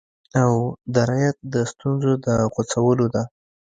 او درایت د ستونزو د غوڅولو ده